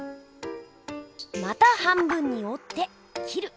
また半分におって切る。